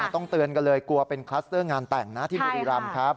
ต้องเตือนกันเลยกลัวเป็นคลัสเตอร์งานแต่งนะที่บุรีรำครับ